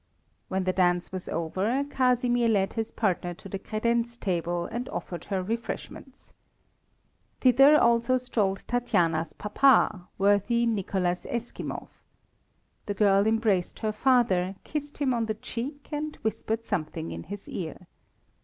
When the dance was over, Casimir led his partner to the credenz table and offered her refreshments. Thither also strolled Tatiana's papa, worthy Nicholas Eskimov. The girl embraced her father, kissed him on the cheek, and whispered something in his ear.